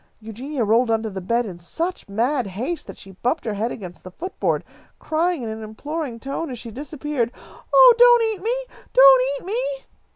Eugenia rolled under the bed in such mad haste that she bumped her head against the footboard, crying in an imploring tone as she disappeared, "Oh, don't eat me! Don't eat me!"